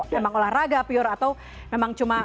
memang olahraga pure atau memang cuma